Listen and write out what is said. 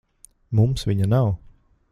Mums viņa nav.